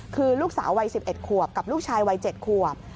คือลูกสาววัย๑๑ขวบกับลูกชายวัย๗ขวบ